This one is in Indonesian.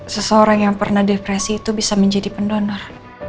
seseorang yang pernah depresi itu bisa menjadi pendonor